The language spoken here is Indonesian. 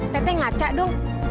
teteh ngaca dong